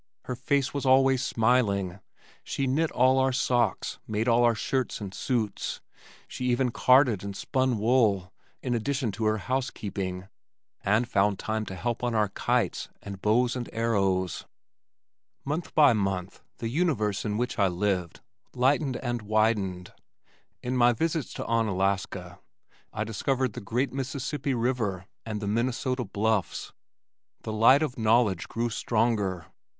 Her face was always smiling. She knit all our socks, made all our shirts and suits. She even carded and spun wool, in addition to her housekeeping, and found time to help on our kites and bows and arrows. Month by month the universe in which I lived lightened and widened. In my visits to Onalaska, I discovered the great Mississippi River, and the Minnesota Bluffs. The light of knowledge grew stronger.